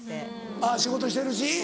あぁ仕事してるし。